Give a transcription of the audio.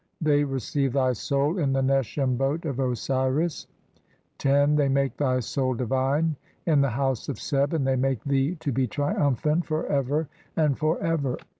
They receive thy soul in "the Neshem boat of Osiris, (10) they make thy soul "divine in the House of Seb, and they make thee to "be triumphant for ever and for ever."